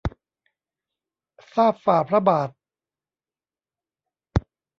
ทราบฝ่าพระบาท